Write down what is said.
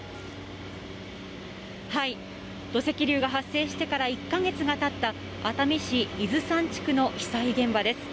土石流が発生してから１か月がたった、熱海市伊豆山地区の被災現場です。